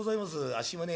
あっしもね